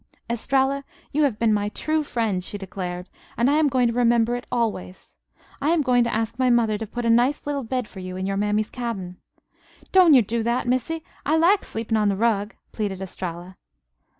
"Estralla, you have been my true friend," she declared, "and I am going to remember it always. I am going to ask my mother to put a nice little bed for you in your mammy's cabin." "Don' yo' do that, Missy. I likes sleepin' on de rug," pleaded Estralla.